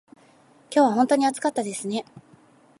今日は本当に暑かったですね。